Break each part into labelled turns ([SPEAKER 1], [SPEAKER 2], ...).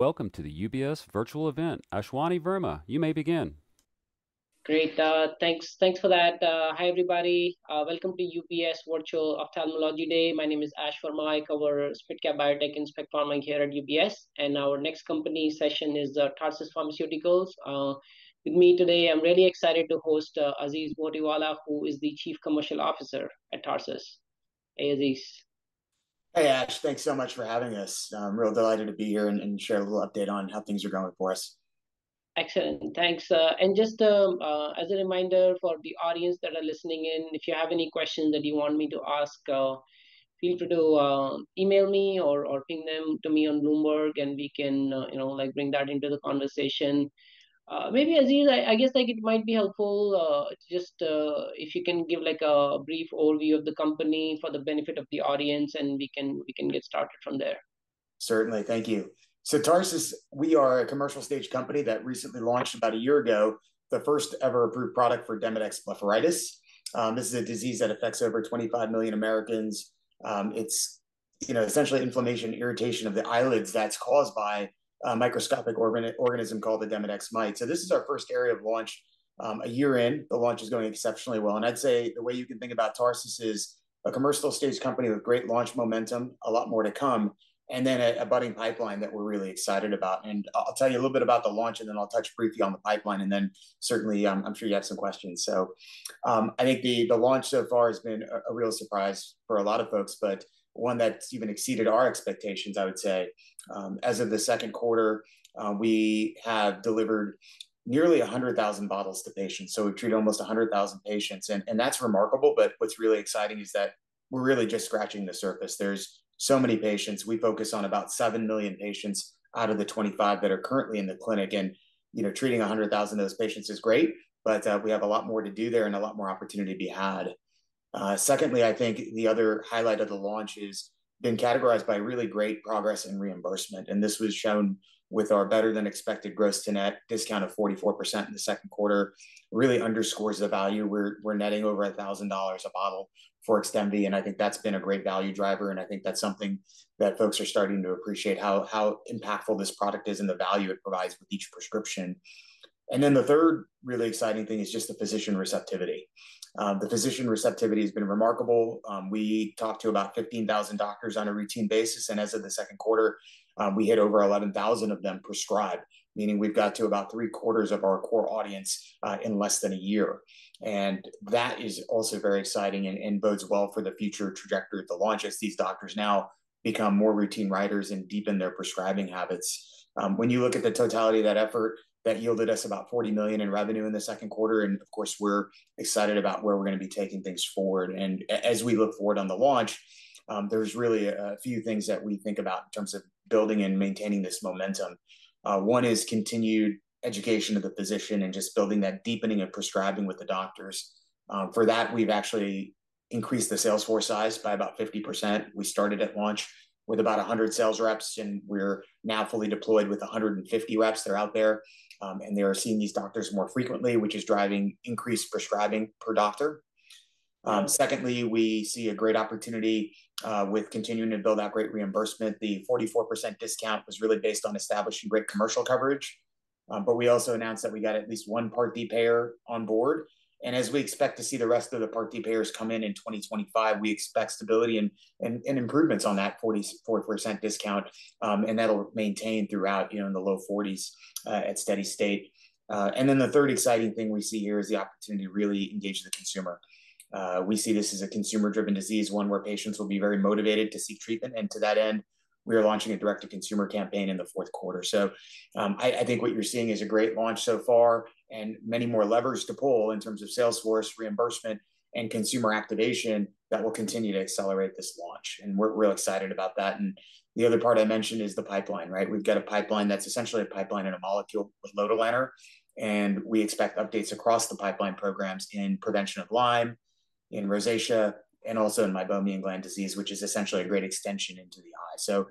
[SPEAKER 1] Welcome to the UBS virtual event. Ashwani Verma, you may begin. Great. Thanks for that. Hi, everybody. Welcome to UBS Virtual Ophthalmology Day. My name is Ash Verma. I cover Smid Cap Biotech and Spec Pharma here at UBS, and our next company session is Tarsus Pharmaceuticals. With me today, I'm really excited to host Aziz Munsif, who is the Chief Commercial Officer at Tarsus. Hey, Aziz.
[SPEAKER 2] Hey, Ash. Thanks so much for having us. I'm real delighted to be here and share a little update on how things are going for us.
[SPEAKER 3] Excellent. Thanks, and just as a reminder for the audience that are listening in, if you have any questions that you want me to ask, feel free to email me or ping them to me on Bloomberg, and we can, you know, like, bring that into the conversation. Maybe, Aziz, I guess, like, it might be helpful just if you can give, like, a brief overview of the company for the benefit of the audience, and we can get started from there.
[SPEAKER 2] Certainly. Thank you. So Tarsus, we are a commercial stage company that recently launched, about a year ago, the first-ever approved product for Demodex blepharitis. This is a disease that affects over 25 million Americans. It's, you know, essentially inflammation, irritation of the eyelids that's caused by a microscopic organism called the Demodex mite. So this is our first area of launch. A year in, the launch is going exceptionally well, and I'd say the way you can think about Tarsus is a commercial stage company with great launch momentum, a lot more to come, and then a budding pipeline that we're really excited about. And I'll tell you a little bit about the launch, and then I'll touch briefly on the pipeline, and then certainly, I'm sure you have some questions. I think the launch so far has been a real surprise for a lot of folks, but one that's even exceeded our expectations, I would say. As of the second quarter, we have delivered nearly 100,000 bottles to patients, so we've treated almost 100,000 patients, and that's remarkable. What's really exciting is that we're really just scratching the surface. There's so many patients. We focus on about 7 million patients out of the 25 that are currently in the clinic, and, you know, treating 100,000 of those patients is great, but we have a lot more to do there and a lot more opportunity to be had. Secondly, I think the other highlight of the launch has been categorized by really great progress in reimbursement, and this was shown with our better-than-expected gross-to-net discount of 44% in the second quarter, really underscores the value. We're netting over $1,000 a bottle for Xdemvy, and I think that's been a great value driver, and I think that's something that folks are starting to appreciate, how impactful this product is and the value it provides with each prescription. Then the third really exciting thing is just the physician receptivity. The physician receptivity has been remarkable. We talked to about 15,000 doctors on a routine basis, and as of the second quarter, we had over 11,000 of them prescribe, meaning we've got to about three-quarters of our core audience in less than a year. And that is also very exciting and bodes well for the future trajectory of the launch as these doctors now become more routine writers and deepen their prescribing habits. When you look at the totality of that effort, that yielded us about $40 million in revenue in the second quarter, and of course, we're excited about where we're gonna be taking things forward. And as we look forward on the launch, there's really a few things that we think about in terms of building and maintaining this momentum. One is continued education of the physician and just building that deepening of prescribing with the doctors. For that, we've actually increased the sales force size by about 50%. We started at launch with about 100 sales reps, and we're now fully deployed with 150 reps. They're out there, and they are seeing these doctors more frequently, which is driving increased prescribing per doctor. Secondly, we see a great opportunity with continuing to build that great reimbursement. The 44% discount was really based on establishing great commercial coverage. But we also announced that we got at least one Part D payer on board, and as we expect to see the rest of the Part D payers come in in 2025, we expect stability and improvements on that 44% discount, and that'll maintain throughout, you know, in the low 40s%, at steady state. And then the third exciting thing we see here is the opportunity to really engage the consumer. We see this as a consumer-driven disease, one where patients will be very motivated to seek treatment, and to that end, we are launching a direct-to-consumer campaign in the fourth quarter, so I think what you're seeing is a great launch so far and many more levers to pull in terms of sales force, reimbursement, and consumer activation that will continue to accelerate this launch, and we're real excited about that, and the other part I mentioned is the pipeline, right? We've got a pipeline that's essentially a pipeline in a molecule with lotilaner, and we expect updates across the pipeline programs in prevention of Lyme, in rosacea, and also in meibomian gland disease, which is essentially a great extension into the eye, so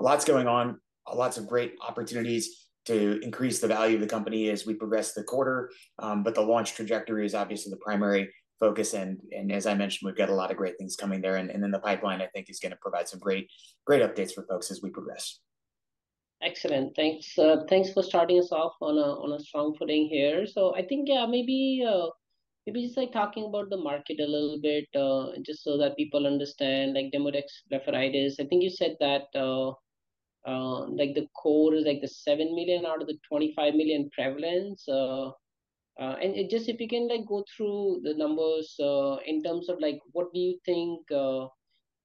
[SPEAKER 2] lots going on, lots of great opportunities to increase the value of the company as we progress the quarter. But the launch trajectory is obviously the primary focus, and as I mentioned, we've got a lot of great things coming there. And then the pipeline, I think, is gonna provide some great, great updates for folks as we progress.
[SPEAKER 3] Excellent. Thanks. Thanks for starting us off on a strong footing here. So I think, yeah, maybe, maybe just, like, talking about the market a little bit, just so that people understand, like, Demodex blepharitis. I think you said that, like, the core is, like, the 7 million out of the 25 million prevalence. And just if you can, like, go through the numbers, in terms of, like, what do you think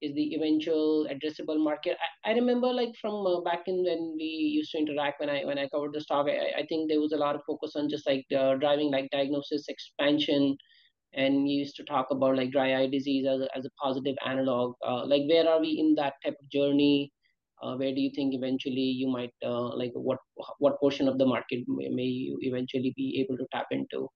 [SPEAKER 3] is the eventual addressable market? I remember, like, from back in when we used to interact, when I covered the stock, I think there was a lot of focus on just, like, driving, like, diagnosis expansion, and you used to talk about, like, dry eye disease as a positive analogue. Like, where are we in that type of journey? Where do you think eventually you might like, what portion of the market may you eventually be able to tap into?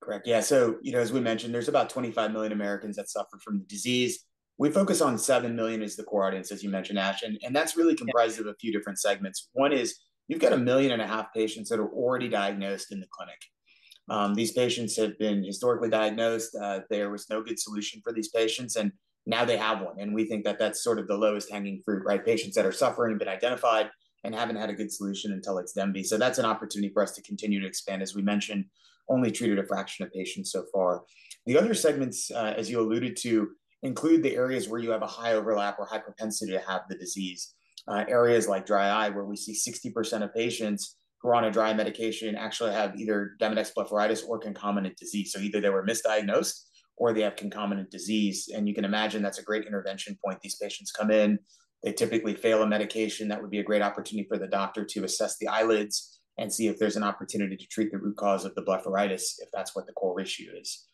[SPEAKER 2] Correct. Yeah, so, you know, as we mentioned, there's about 25 million Americans that suffer from the disease. We focus on 7 million as the core audience, as you mentioned, Ash, and that's really comprised of a few different segments. One is, you've got 1.5 million patients that are already diagnosed in the clinic. These patients have been historically diagnosed. There was no good solution for these patients, and now they have one, and we think that that's sort of the lowest hanging fruit, right? Patients that are suffering, have been identified, and haven't had a good solution until Xdemvy. So that's an opportunity for us to continue to expand. As we mentioned, only treated a fraction of patients so far. The other segments, as you alluded to, include the areas where you have a high overlap or high propensity to have the disease. Areas like dry eye, where we see 60% of patients who are on a dry eye medication actually have either Demodex blepharitis or concomitant disease. So either they were misdiagnosed or they have concomitant disease, and you can imagine that's a great intervention point. These patients come in, they typically fail a medication. That would be a great opportunity for the doctor to assess the eyelids and see if there's an opportunity to treat the root cause of the blepharitis, if that's what the core issue is.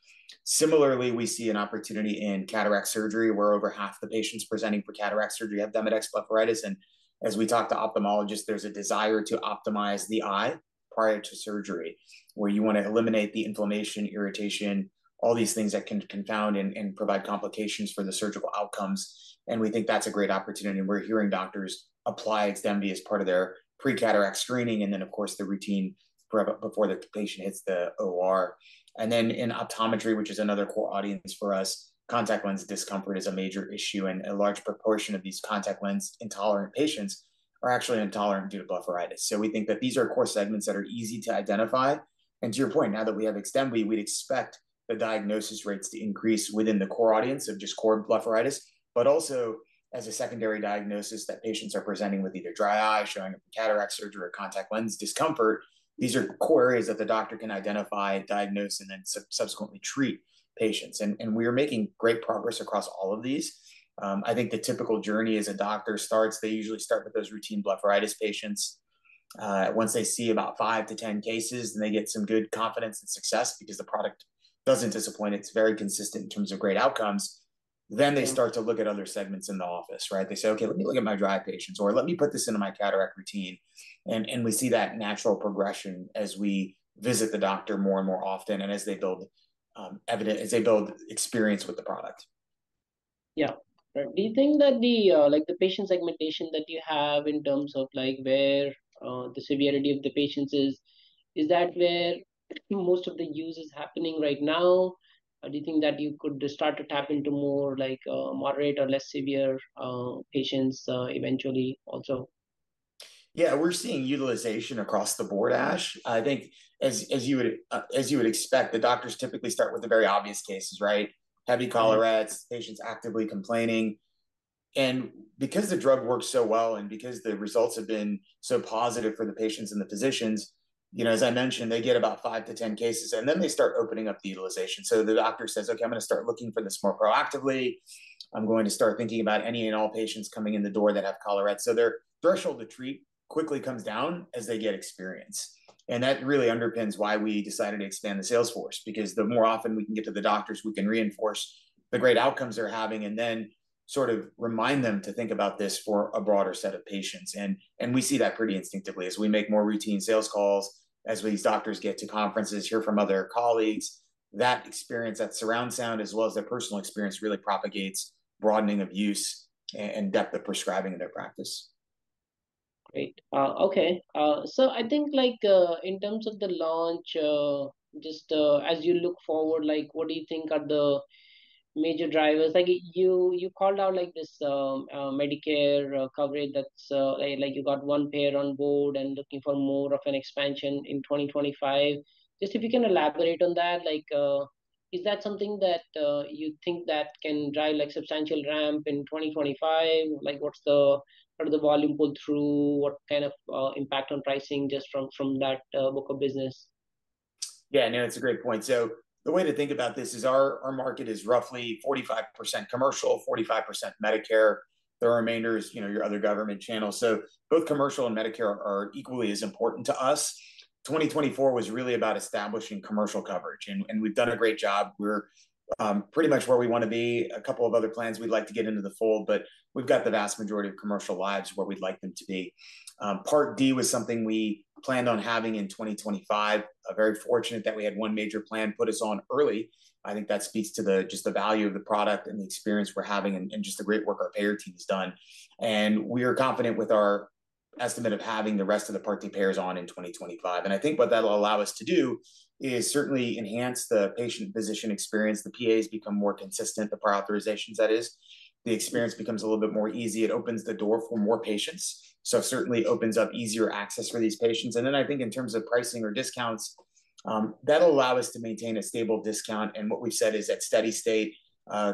[SPEAKER 2] Similarly, we see an opportunity in cataract surgery, where over half the patients presenting for cataract surgery have Demodex blepharitis, and as we talk to ophthalmologists, there's a desire to optimize the eye prior to surgery, where you wanna eliminate the inflammation, irritation, all these things that can confound and provide complications for the surgical outcomes, and we think that's a great opportunity. And we're hearing doctors apply Xdemvy as part of their pre-cataract screening, and then of course, the routine pre- before the patient hits the OR. And then in optometry, which is another core audience for us, contact lens discomfort is a major issue, and a large proportion of these contact lens-intolerant patients are actually intolerant due to blepharitis. So we think that these are core segments that are easy to identify. To your point, now that we have Xdemvy, we'd expect the diagnosis rates to increase within the core audience of just core blepharitis, but also as a secondary diagnosis that patients are presenting with either dry eye, showing up for cataract surgery or contact lens discomfort. These are core areas that the doctor can identify, diagnose, and then subsequently treat patients. And we are making great progress across all of these. I think the typical journey as a doctor starts. They usually start with those routine blepharitis patients. Once they see about 5-10 cases, and they get some good confidence and success, because the product doesn't disappoint, it's very consistent in terms of great outcomes, then they start to look at other segments in the office, right? They say, "Okay, let me look at my dry eye patients, or let me put this into my cataract routine." And we see that natural progression as we visit the doctor more and more often, and as they build experience with the product.
[SPEAKER 3] Yeah. Do you think that the, like, the patient segmentation that you have in terms of, like, where the severity of the patients is, is that where most of the use is happening right now? Or do you think that you could start to tap into more, like, moderate or less severe patients, eventually also?
[SPEAKER 2] Yeah, we're seeing utilization across the board, Ash. I think as you would expect, the doctors typically start with the very obvious cases, right? Heavy collarettes, patients actively complaining. And because the drug works so well and because the results have been so positive for the patients and the physicians, you know, as I mentioned, they get about five to ten cases, and then they start opening up the utilization. So the doctor says, "Okay, I'm gonna start looking for this more proactively. I'm going to start thinking about any and all patients coming in the door that have collarettes." So their threshold to treat quickly comes down as they get experience, and that really underpins why we decided to expand the sales force, because the more often we can get to the doctors, we can reinforce the great outcomes they're having and then sort of remind them to think about this for a broader set of patients. And, and we see that pretty instinctively as we make more routine sales calls, as these doctors get to conferences, hear from other colleagues. That experience, that surround sound, as well as their personal experience, really propagates broadening of use and depth of prescribing in their practice.
[SPEAKER 3] Great. Okay, so I think, like, in terms of the launch, just, as you look forward, like, what do you think are the major drivers? Like you, you called out, like, this, Medicare, coverage that's, like you got one payer on board and looking for more of an expansion in 2025. Just if you can elaborate on that, like, is that something that, you think that can drive, like, substantial ramp in 2025? Like, what's the... what are the volume pull through? What kind of, impact on pricing just from, from that, book of business?
[SPEAKER 2] Yeah, no, it's a great point. So the way to think about this is our market is roughly 45% commercial, 45% Medicare. The remainder is, you know, your other government channels. So both commercial and Medicare are equally as important to us. 2024 was really about establishing commercial coverage, and we've done a great job. We're pretty much where we want to be. A couple of other plans we'd like to get into the fold, but we've got the vast majority of commercial lives where we'd like them to be. Part D was something we planned on having in 2025. Very fortunate that we had one major plan put us on early. I think that speaks to the value of the product and the experience we're having, and just the great work our payer team has done. We are confident with our estimate of having the rest of the Part D payers on in 2025. I think what that'll allow us to do is certainly enhance the patient-physician experience. The PAs become more consistent, the prior authorizations, that is. The experience becomes a little bit more easy. It opens the door for more patients, so it certainly opens up easier access for these patients. I think in terms of pricing or discounts, that'll allow us to maintain a stable discount. What we said is at steady state,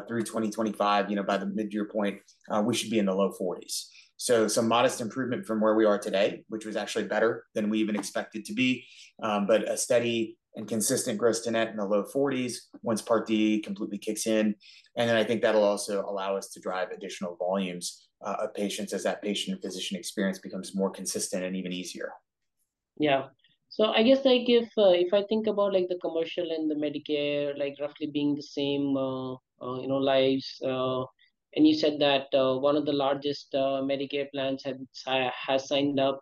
[SPEAKER 2] through 2025, you know, by the mid-year point, we should be in the low forties. Some modest improvement from where we are today, which was actually better than we even expected to be. But a steady and consistent gross-to-net in the low forties once Part D completely kicks in, and then I think that'll also allow us to drive additional volumes of patients as that patient and physician experience becomes more consistent and even easier.
[SPEAKER 3] Yeah, so I guess, like, if I think about, like, the commercial and the Medicare, like, roughly being the same, you know, lives, and you said that one of the largest Medicare plans has signed up.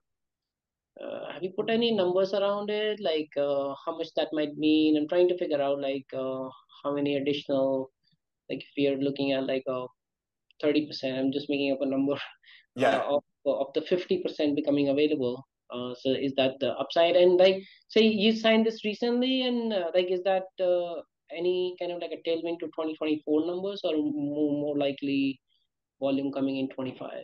[SPEAKER 3] Have you put any numbers around it? Like, how much that might mean? I'm trying to figure out, like, how many additional, like, if we are looking at, like, 30%, I'm just making up a number- Of the 50% becoming available. So is that the upside? And, like, so you signed this recently, and, like, is that any kind of like a tailwind to 2024 numbers, or more likely volume coming in 2025?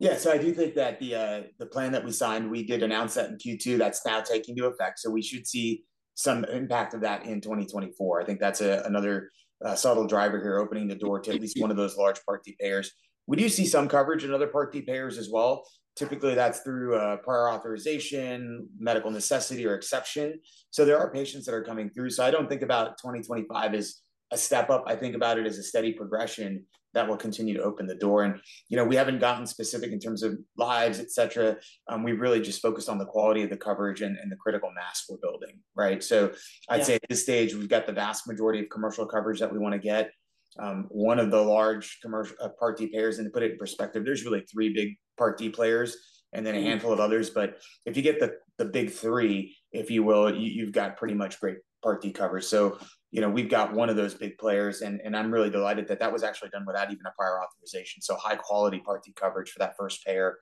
[SPEAKER 2] Yeah. So I do think that the plan that we signed, we did announce that in Q2, that's now taking into effect, so we should see some impact of that in 2024. I think that's another subtle driver here, opening the door to at least one of those large Part D payers. We do see some coverage in other Part D payers as well. Typically, that's through prior authorization, medical necessity or exception, so there are patients that are coming through. So I don't think about 2025 as a step up, I think about it as a steady progression that will continue to open the door. And, you know, we haven't gotten specific in terms of lives, et cetera. We really just focused on the quality of the coverage and the critical mass we're building, right? So I'd say at this stage, we've got the vast majority of commercial coverage that we wanna get, one of the large commercial Part D payers. And to put it in perspective, there's really three big Part D players- - and then a handful of others. But if you get the big three, if you will, you've got pretty much great Part D coverage. So, you know, we've got one of those big players, and I'm really delighted that that was actually done without even a prior authorization. So high quality Part D coverage for that first payer.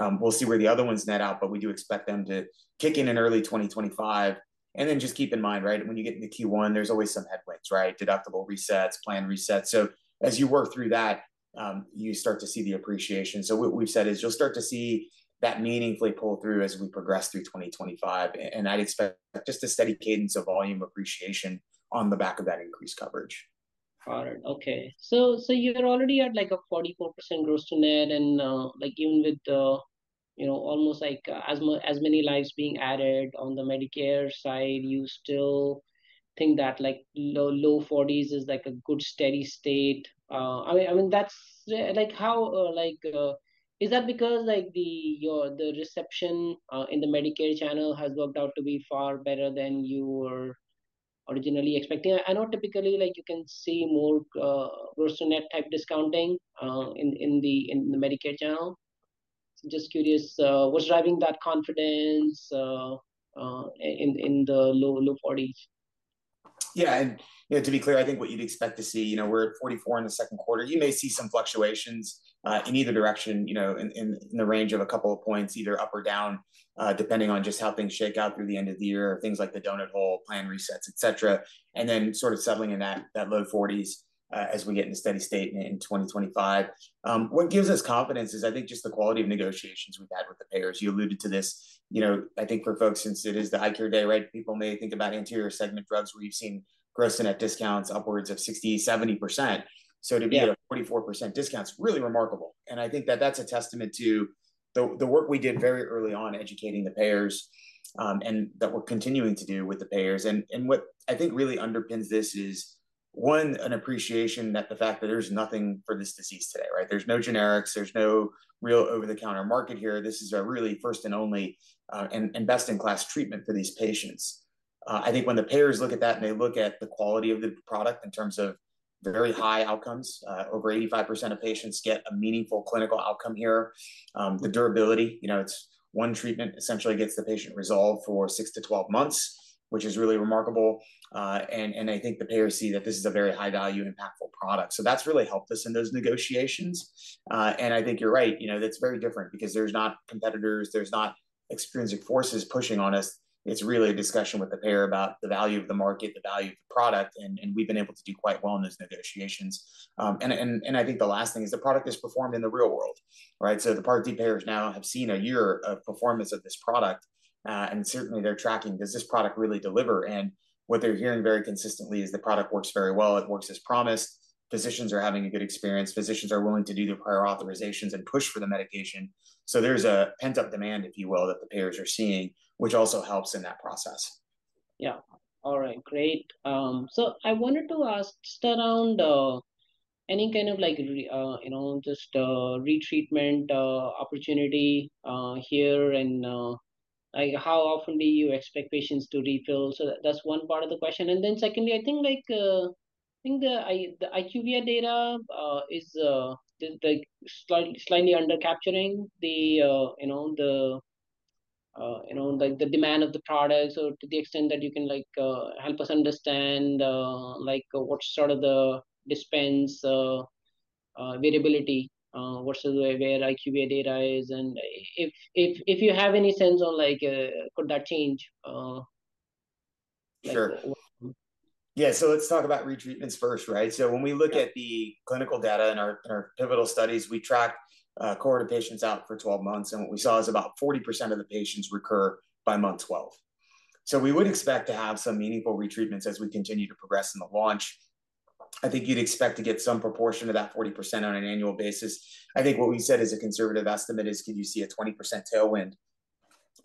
[SPEAKER 2] We'll see where the other ones net out, but we do expect them to kick in in early 2025. And then just keep in mind, right, when you get into Q1, there's always some headwinds, right? Deductible resets, plan resets. So as you work through that, you start to see the appreciation. So what we've said is you'll start to see that meaningfully pull through as we progress through 2025, and I'd expect just a steady cadence of volume appreciation on the back of that increased coverage.
[SPEAKER 3] Got it. Okay. So you're already at, like, a 44% gross-to-net, and, like, even with the, you know, almost like as many lives being added on the Medicare side, you still think that, like, low 40s% is, like, a good steady state? I mean, that's like how is that because, like, the reception in the Medicare channel has worked out to be far better than you were originally expecting? I know typically, like, you can see more gross-to-net type discounting in the Medicare channel. So just curious, what's driving that confidence in the low 40s%?
[SPEAKER 2] Yeah, and, you know, to be clear, I think what you'd expect to see, you know, we're at 44 in the second quarter. You may see some fluctuations in either direction, you know, in the range of a couple of points, either up or down, depending on just how things shake out through the end of the year, things like the donut hole, plan resets, et cetera. And then sort of settling in that low 40s as we get into steady state in 2025. What gives us confidence is, I think, just the quality of negotiations we've had with the payers. You alluded to this. You know, I think for folks, since it is the Eye Care Day, right, people may think about anterior segment drugs, where you've seen gross-to-net discounts upwards of 60-70%. So to be at a 44% discount is really remarkable, and I think that that's a testament to the work we did very early on educating the payers, and that we're continuing to do with the payers. And what I think really underpins this is, one, an appreciation that the fact that there's nothing for this disease today, right? There's no generics, there's no real over-the-counter market here. This is a really first-and-only, and best-in-class treatment for these patients. I think when the payers look at that, and they look at the quality of the product in terms of the very high outcomes, over 85% of patients get a meaningful clinical outcome here. The durability, you know, it's one treatment essentially gets the patient resolved for 6-12 months, which is really remarkable. I think the payers see that this is a very high-value and impactful product. So that's really helped us in those negotiations. I think you're right, you know, that's very different because there's not competitors, there's not extrinsic forces pushing on us. It's really a discussion with the payer about the value of the market, the value of the product, and we've been able to do quite well in those negotiations. I think the last thing is the product is performed in the real world, right? So the Part D payers now have seen a year of performance of this product, and certainly they're tracking, does this product really deliver? What they're hearing very consistently is the product works very well, it works as promised, physicians are having a good experience, physicians are willing to do the prior authorizations and push for the medication. There's a pent-up demand, if you will, that the payers are seeing, which also helps in that process.
[SPEAKER 3] Yeah. All right, great. So I wanted to ask just around any kind of like you know just retreatment opportunity here, and like how often do you expect patients to refill? So that's one part of the question. And then secondly, I think like I think the IQVIA data is like slightly under capturing the you know like the demand of the product. So to the extent that you can like help us understand like what sort of the dispense variability versus where IQVIA data is, and if you have any sense on like could that change.
[SPEAKER 2] Yeah, so let's talk about retreatments first, right? So when we look at the-... clinical data in our pivotal studies, we tracked a cohort of patients out for twelve months, and what we saw is about 40% of the patients recur by month twelve. So we would expect to have some meaningful retreatments as we continue to progress in the launch. I think you'd expect to get some proportion of that 40% on an annual basis. I think what we said as a conservative estimate is, could you see a 20% tailwind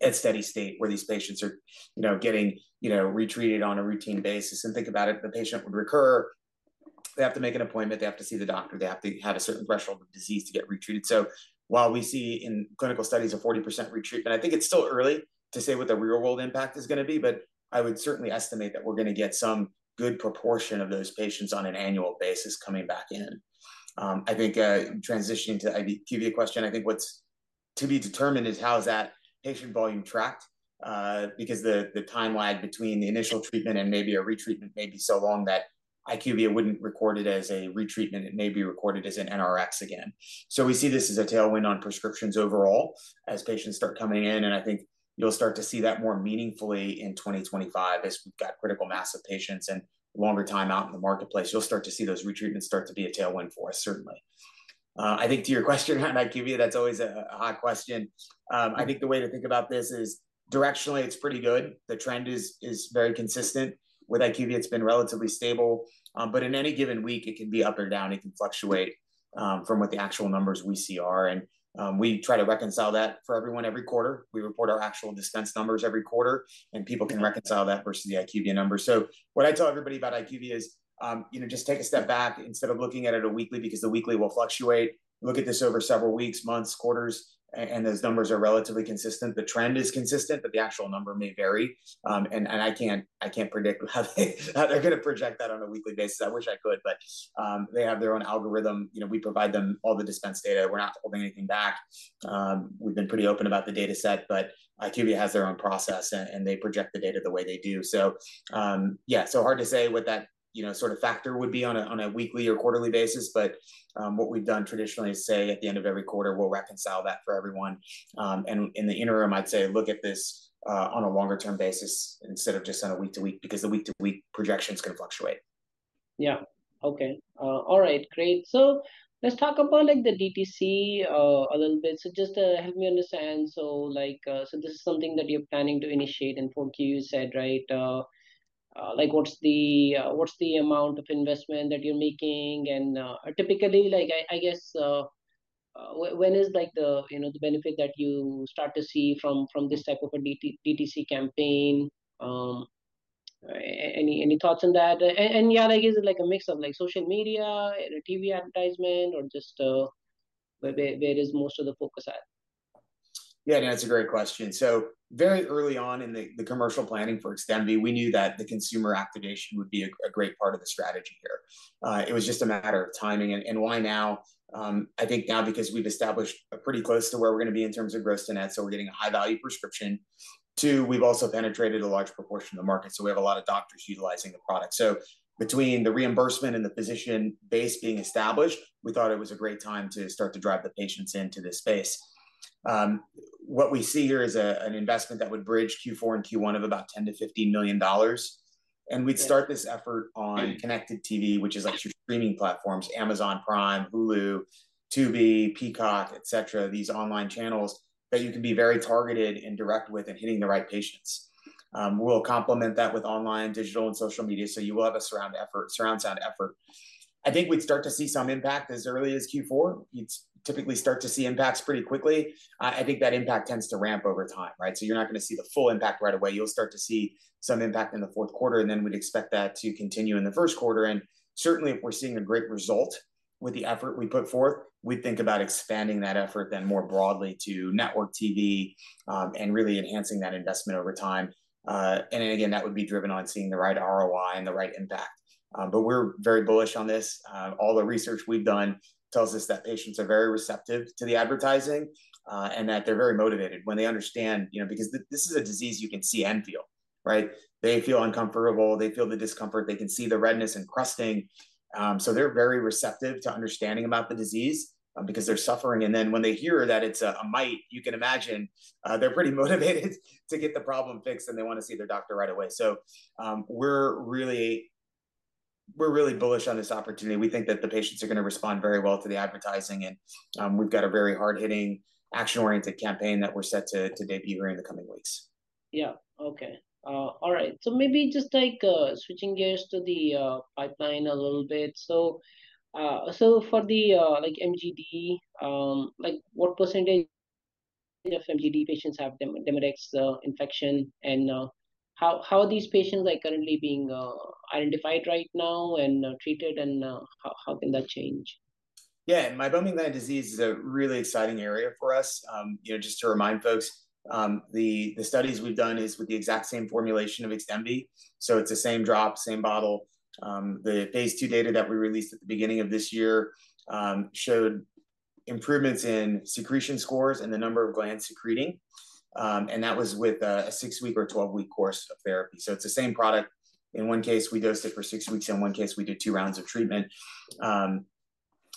[SPEAKER 2] at steady state, where these patients are, you know, getting, you know, retreated on a routine basis? And think about it, the patient would recur, they have to make an appointment, they have to see the doctor, they have to have a certain threshold of disease to get retreated. So while we see in clinical studies a 40% retreatment, I think it's still early to say what the real-world impact is gonna be, but I would certainly estimate that we're gonna get some good proportion of those patients on an annual basis coming back in. I think, transitioning to IQVIA question, I think to be determined is how is that patient volume tracked? Because the timeline between the initial treatment and maybe a retreatment may be so long that IQVIA wouldn't record it as a retreatment, it may be recorded as an NRX again. So we see this as a tailwind on prescriptions overall as patients start coming in, and I think you'll start to see that more meaningfully in 2025 as we've got critical mass of patients and longer time out in the marketplace. You'll start to see those retreatment start to be a tailwind for us, certainly. I think to your question on IQVIA, that's always a hot question. I think the way to think about this is directionally it's pretty good. The trend is very consistent. With IQVIA, it's been relatively stable, but in any given week it can be up or down, it can fluctuate from what the actual numbers we see are, and we try to reconcile that for everyone every quarter. We report our actual dispensed numbers every quarter, and people can reconcile that versus the IQVIA numbers, so what I tell everybody about IQVIA is, you know, just take a step back instead of looking at it weekly, because the weekly will fluctuate. Look at this over several weeks, months, quarters, and those numbers are relatively consistent. The trend is consistent, but the actual number may vary. I can't predict how they're gonna project that on a weekly basis. I wish I could, but they have their own algorithm. You know, we provide them all the dispense data. We're not holding anything back. We've been pretty open about the data set, but IQVIA has their own process, and they project the data the way they do. So hard to say what that, you know, sort of factor would be on a weekly or quarterly basis. But what we've done traditionally is say at the end of every quarter, we'll reconcile that for everyone. And in the interim, I'd say look at this on a longer-term basis instead of just on a week-to-week, because the week-to-week projection is gonna fluctuate.
[SPEAKER 3] Yeah. Okay. All right, great. So let's talk about, like, the DTC, a little bit. So just, help me understand. So, like, so this is something that you're planning to initiate in Q4, you said, right? Like, what's the, what's the amount of investment that you're making? And, typically, like, I guess, when is, like, the, you know, the benefit that you start to see from, from this type of a DTC campaign? Any thoughts on that? And, yeah, like, is it like a mix of, like, social media, a TV advertisement, or just... Where is most of the focus at?
[SPEAKER 2] Yeah, that's a great question. Very early on in the commercial planning for Xdemvy, we knew that the consumer activation would be a great part of the strategy here. It was just a matter of timing. And why now? I think now because we've established a pretty close to where we're gonna be in terms of gross to net, so we're getting a high-value prescription. Two, we've also penetrated a large proportion of the market, so we have a lot of doctors utilizing the product. So between the reimbursement and the physician base being established, we thought it was a great time to start to drive the patients into this space. What we see here is an investment that would bridge Q4 and Q1 of about $10-15 million. We'd start this effort on connected TV, which is like your streaming platforms, Amazon Prime, Hulu, Tubi, Peacock, et cetera. These online channels that you can be very targeted and direct with in hitting the right patients. We'll complement that with online, digital and social media, so you will have a surround sound effort. I think we'd start to see some impact as early as Q4. You'd typically start to see impacts pretty quickly. I think that impact tends to ramp over time, right? You're not gonna see the full impact right away. You'll start to see some impact in the fourth quarter, and then we'd expect that to continue in the first quarter. And certainly, if we're seeing a great result with the effort we put forth, we think about expanding that effort then more broadly to network TV, and really enhancing that investment over time. And again, that would be driven on seeing the right ROI and the right impact. But we're very bullish on this. All the research we've done tells us that patients are very receptive to the advertising, and that they're very motivated when they understand... You know, because this is a disease you can see and feel, right? They feel uncomfortable, they feel the discomfort, they can see the redness and crusting. So they're very receptive to understanding about the disease, because they're suffering. And then when they hear that it's a mite, you can imagine, they're pretty motivated to get the problem fixed, and they want to see their doctor right away. So, we're really bullish on this opportunity. We think that the patients are gonna respond very well to the advertising, and, we've got a very hard-hitting, action-oriented campaign that we're set to debut here in the coming weeks.
[SPEAKER 3] Yeah. Okay. All right. So maybe just like switching gears to the pipeline a little bit. So for the like MGD, like what percentage of MGD patients have Demodex infection? And how these patients are currently being identified right now and treated, and how can that change?
[SPEAKER 2] Yeah, meibomian gland disease is a really exciting area for us. You know, just to remind folks, the studies we've done is with the exact same formulation of Xdemvy, so it's the same drop, same bottle. The phase two data that we released at the beginning of this year showed improvements in secretion scores and the number of glands secreting. And that was with a six-week or twelve-week course of therapy. So it's the same product. In one case, we dosed it for six weeks, in one case, we did two rounds of treatment.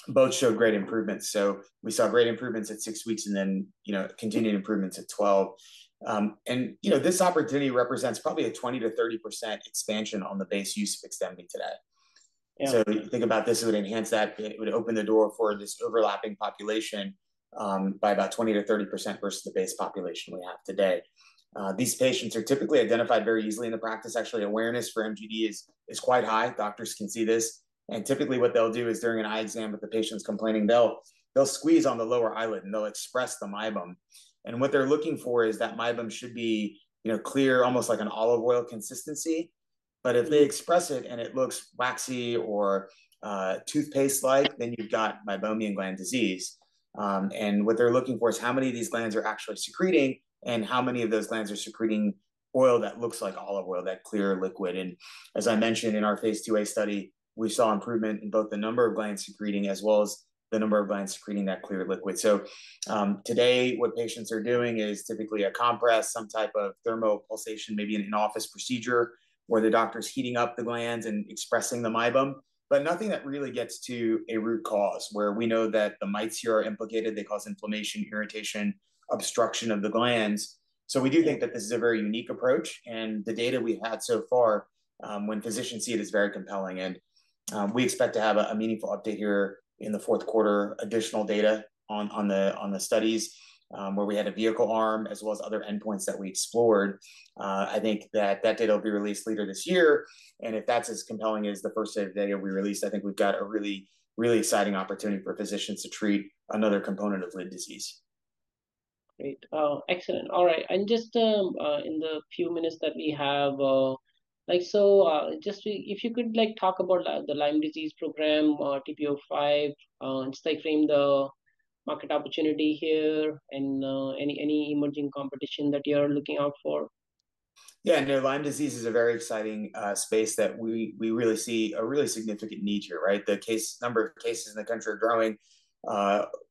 [SPEAKER 2] Both showed great improvements. So we saw great improvements at six weeks and then, you know, continued improvements at twelve. And, you know, this opportunity represents probably a 20-30% expansion on the base use of Xdemvy today. So if you think about this, it would enhance that. It would open the door for this overlapping population, by about 20-30% versus the base population we have today. These patients are typically identified very easily in the practice. Actually, awareness for MGD is quite high. Doctors can see this, and typically, what they'll do is, during an eye exam, if the patient's complaining, they'll squeeze on the lower eyelid, and they'll express the meibum. And what they're looking for is that meibum should be, you know, clear, almost like an olive oil consistency... but if they express it and it looks waxy or, toothpaste-like, then you've got meibomian gland disease. and what they're looking for is how many of these glands are actually secreting, and how many of those glands are secreting oil that looks like olive oil, that clear liquid. And as I mentioned in our phase IIa study, we saw improvement in both the number of glands secreting, as well as the number of glands secreting that clear liquid. So, today, what patients are doing is typically a compress, some type of thermo pulsation, maybe an in-office procedure where the doctor's heating up the glands and expressing the meibum, but nothing that really gets to a root cause, where we know that the mites here are implicated, they cause inflammation, irritation, obstruction of the glands. So we do think that this is a very unique approach, and the data we had so far, when physicians see it, is very compelling. We expect to have a meaningful update here in the fourth quarter, additional data on the studies where we had a vehicle arm, as well as other endpoints that we explored. I think that data will be released later this year, and if that's as compelling as the first set of data we released, I think we've got a really, really exciting opportunity for physicians to treat another component of Lyme disease.
[SPEAKER 3] Great. Excellent. All right, and just, in the few minutes that we have, like, so, just if you could, like, talk about the Lyme disease program, or TP-05, and just like frame the market opportunity here and any emerging competition that you're looking out for.
[SPEAKER 2] Yeah, you know, Lyme disease is a very exciting space that we really see a really significant need here, right? The number of cases in the country are growing.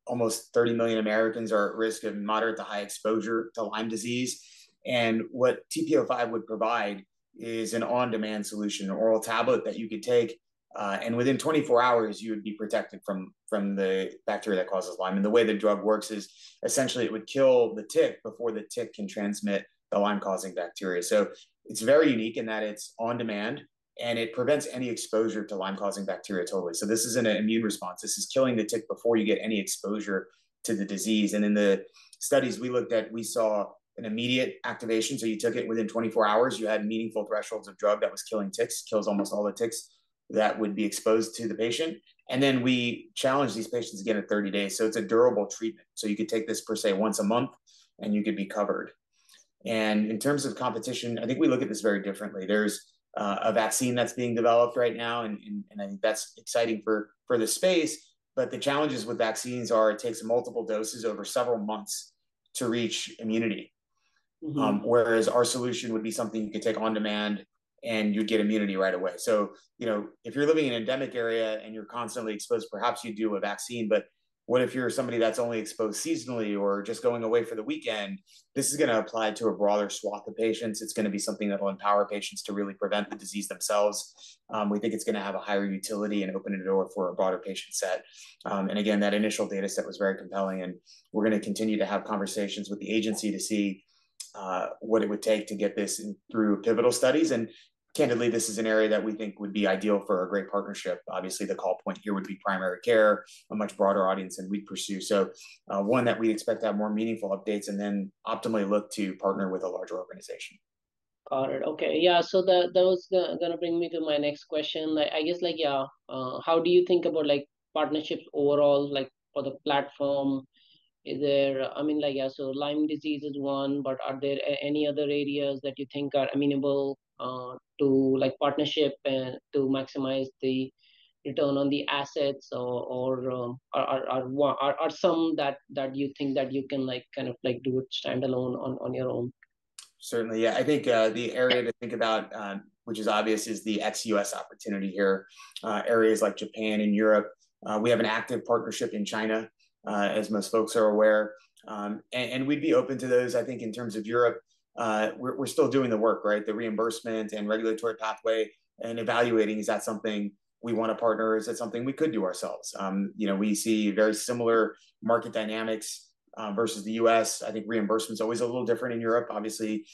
[SPEAKER 2] Almost 30 million Americans are at risk of moderate to high exposure to Lyme disease. And what TP-05 would provide is an on-demand solution, an oral tablet that you could take, and within 24 hours, you would be protected from the bacteria that causes Lyme. And the way the drug works is, essentially, it would kill the tick before the tick can transmit the Lyme-causing bacteria. So it's very unique in that it's on demand, and it prevents any exposure to Lyme-causing bacteria totally. So this isn't an immune response. This is killing the tick before you get any exposure to the disease. And in the studies we looked at, we saw an immediate activation. You took it within 24 hours. You had meaningful thresholds of drug that was killing ticks [that] kills almost all the ticks that would be exposed to the patient. Then we challenged these patients again at 30 days, so it's a durable treatment. You could take this, per se, once a month, and you could be covered. In terms of competition, I think we look at this very differently. There's a vaccine that's being developed right now, and I think that's exciting for the space, but the challenges with vaccines are it takes multiple doses over several months to reach immunity. Whereas our solution would be something you could take on demand, and you'd get immunity right away. So, you know, if you're living in an endemic area and you're constantly exposed, perhaps you do a vaccine, but what if you're somebody that's only exposed seasonally or just going away for the weekend? This is gonna apply to a broader swath of patients. It's gonna be something that will empower patients to really prevent the disease themselves. We think it's gonna have a higher utility and open the door for a broader patient set. And again, that initial data set was very compelling, and we're gonna continue to have conversations with the agency to see what it would take to get this in through pivotal studies, and candidly, this is an area that we think would be ideal for a great partnership. Obviously, the call point here would be primary care, a much broader audience than we pursue. So, one that we expect to have more meaningful updates and then optimally look to partner with a larger organization.
[SPEAKER 3] Got it. Okay. Yeah, so that was gonna bring me to my next question. Like, I guess, like, yeah, how do you think about, like, partnerships overall, like, for the platform? Is there... I mean, like, yeah, so Lyme disease is one, but are there any other areas that you think are amenable to, like, partnership and to maximize the return on the assets, or are some that you think that you can, like, kind of like do it standalone, on your own?
[SPEAKER 2] Certainly, yeah. I think, the area- to think about, which is obvious, is the ex-US opportunity here, areas like Japan and Europe. We have an active partnership in China, as most folks are aware. And we'd be open to those. I think in terms of Europe, we're still doing the work, right? The reimbursement and regulatory pathway and evaluating, is that something we want to partner, or is that something we could do ourselves? You know, we see very similar market dynamics versus the U.S. I think reimbursement's always a little different in Europe, obviously,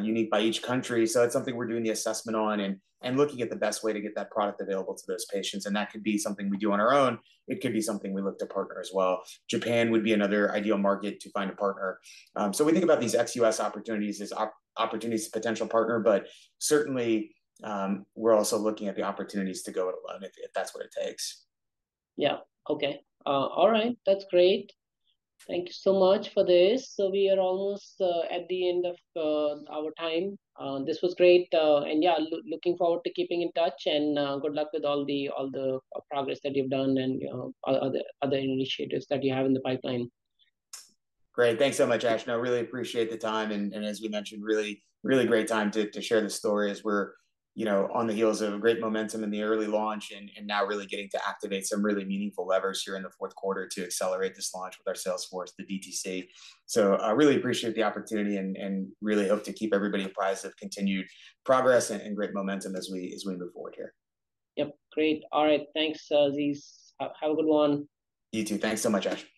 [SPEAKER 2] unique by each country. So that's something we're doing the assessment on and looking at the best way to get that product available to those patients, and that could be something we do on our own, it could be something we look to partner as well. Japan would be another ideal market to find a partner, so we think about these ex-US opportunities as opportunities to potentially partner, but certainly, we're also looking at the opportunities to go it alone, if that's what it takes.
[SPEAKER 3] Yeah. Okay. All right, that's great. Thank you so much for this. So we are almost at the end of our time. This was great, and yeah, looking forward to keeping in touch, and good luck with all the progress that you've done and, you know, all other initiatives that you have in the pipeline.
[SPEAKER 2] Great. Thanks so much, Ash. I really appreciate the time and as we mentioned, really, really great time to share the story as we're, you know, on the heels of great momentum in the early launch and now really getting to activate some really meaningful levers here in the fourth quarter to accelerate this launch with our sales force, the DTC. So I really appreciate the opportunity and really hope to keep everybody apprised of continued progress and great momentum as we move forward here.
[SPEAKER 3] Yep, great. All right, thanks, Aziz. Have a good one.
[SPEAKER 2] You too. Thanks so much, Ash.
[SPEAKER 3] Yes, bye.